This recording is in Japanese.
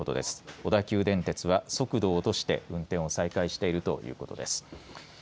小田急電鉄は速度を落として運転を再開しているということです。